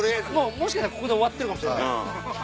もしかしたらここで終わってるかもしれない。